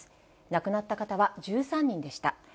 亡くなった方は１３人でした。